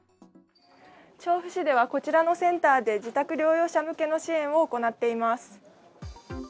調布市ではこちらのセンターで自宅療養者向けの支援を行っています。